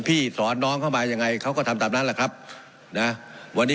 พี่สอนน้องเข้ามายังไงเขาก็ทำตามนั้นแหละครับนะวันนี้